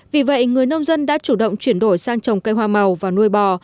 vì vậy người nông dân đã chủ động chuyển đổi sang trồng cây hoa màu và nuôi bò